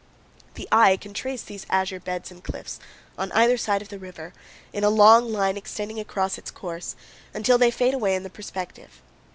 The eye can trace these azure beds and cliffs on either side of the river, in a long line extending across its course, until they fade away in the perspective.